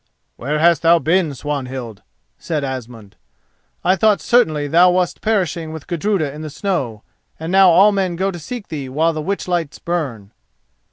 "Where hast thou been, Swanhild?" said Asmund. "I thought certainly thou wast perishing with Gudruda in the snow, and now all men go to seek thee while the witchlights burn."